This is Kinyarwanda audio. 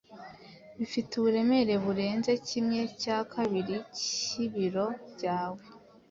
Bifite uburemere burenze kimwe cyakabiri cy’ibiro byawe,